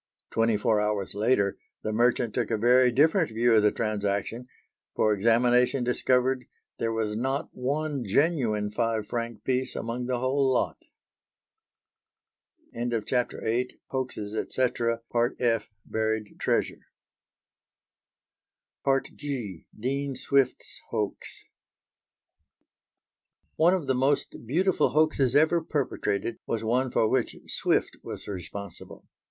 Twenty four hours later, the merchant took a very different view of the transaction; for examination discovered there was not one genuine five franc piece among the whole lot. G. DEAN SWIFT'S HOAX One of the most beautiful hoaxes ever perpetrated was one for which Swift was responsible.